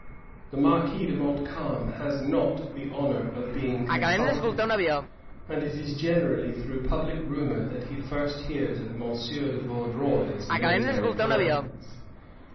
"The Marquis de Montcalm has not the honor of being consulted; and it is generally through public rumor that he first hears of Monsieur de Vaudreuil's military plans."